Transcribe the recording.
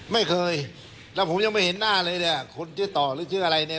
ไม่เคยแล้วผมยังไม่เห็นหน้าเลยเนี่ยคนชื่อต่อหรือชื่ออะไรเนี่ย